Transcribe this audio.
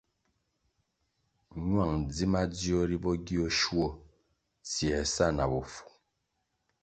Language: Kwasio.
Ñwang dzi madzio ri bo gio nshuo tsiē sa na bofu.